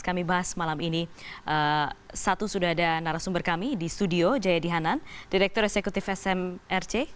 kami bahas malam ini satu sudah ada narasumber kami di studio jayadi hanan direktur eksekutif smrc